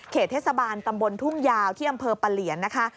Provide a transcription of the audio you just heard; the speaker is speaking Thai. เทศบาลตำบลทุ่งยาวที่อำเภอปะเหลียนนะคะ